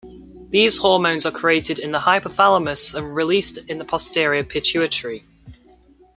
These hormones are created in the hypothalamus and released in the posterior pituitary.